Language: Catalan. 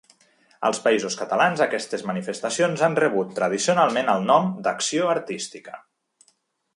Als Països Catalans aquestes manifestacions han rebut tradicionalment el nom d'acció artística.